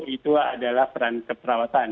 itu adalah peran keperawatan